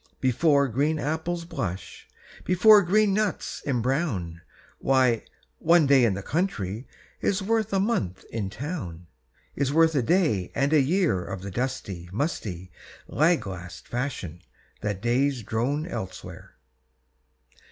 Before green apples blush, Before green nuts embrown, Why, one day in the country Is worth a month in town; Is worth a day and a year Of the dusty, musty, lag last fashion That days drone elsewhere.